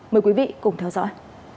mời quý vị cùng theo dõi